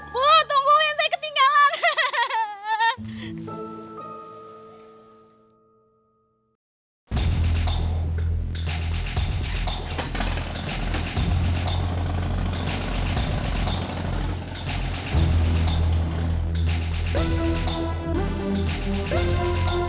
bu tungguin saya ketinggalan